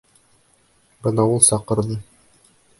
Бына ул саҡырҙы.